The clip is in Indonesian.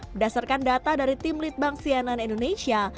berdasarkan data dari tim litbang sianan indonesia